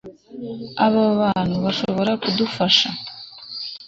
Abo bantu barashobora kudufasha